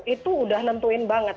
itu udah nentuin banget